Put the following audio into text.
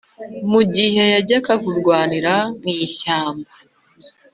mu gihe yajyaga kurwanira mu ishyamba